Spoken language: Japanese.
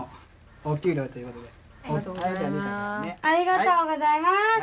ありがとうございます。